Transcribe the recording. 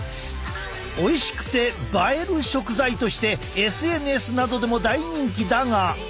おいしくて映える食材としてＳＮＳなどでも大人気だが。